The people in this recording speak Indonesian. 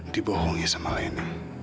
dibohongi sama leni